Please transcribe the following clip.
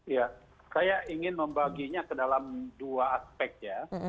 ya saya ingin membaginya ke dalam dua aspek ya